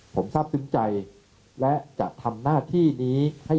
ขอบคุณทุกคนที่ต่างเป็นชุดผลประชาธิปัตย์ของเรา